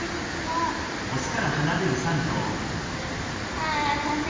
あ残念。